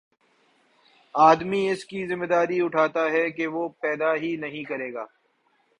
آدمی اس کی ذمہ داری اٹھاتا ہے کہ وہ پیدا ہی نہیں کرے گا